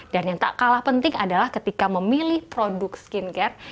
dan yang tak kalah penting adalah ketika memilih produk skincare